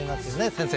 先生。